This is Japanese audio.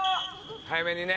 早めにね。